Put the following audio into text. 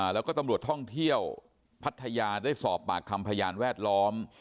แล้วก็ตำรวจท่องเที่ยวพัทยาได้สอบปากคำพยานแวดล้อม